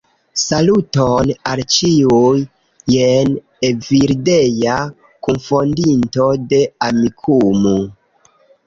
Saluton al ĉiuj! Jen Evildea, kunfondinto de Amikumu!